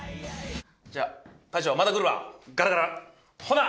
じゃあ大将また来るわガラガラほな！